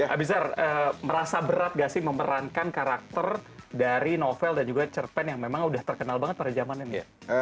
abizar merasa berat gak sih memerankan karakter dari novel dan juga cerpen yang memang udah terkenal banget pada zaman ini